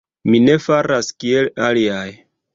Mi ne faras, kiel aliaj.